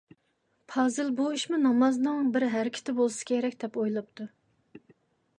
پازىل «بۇ ئىشمۇ نامازنىڭ بىر ھەرىكىتى بولسا كېرەك» دەپ ئويلاپتۇ.